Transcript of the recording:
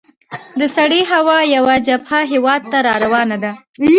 د سړې هوا یوه جبهه هیواد ته را روانه ده.